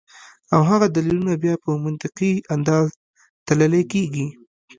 او هغه دليلونه بیا پۀ منطقي انداز تللے کيږي